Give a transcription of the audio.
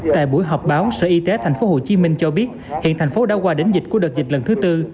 tại buổi họp báo sở y tế thành phố hồ chí minh cho biết hiện thành phố đã qua đến dịch của đợt dịch lần thứ tư